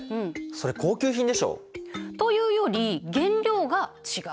それ高級品でしょ？というより原料が違う。